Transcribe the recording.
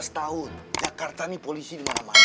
lima belas tahun jakarta ini polisi dimana mana